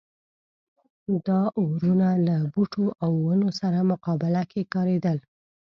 دا اورونه له بوټو او ونو سره مقابله کې کارېدل.